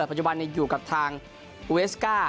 ปัจจุบันอยู่กับทางอูเวสก้า